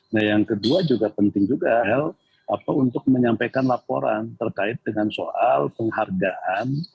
nah yang kedua juga penting juga untuk menyampaikan laporan terkait dengan soal penghargaan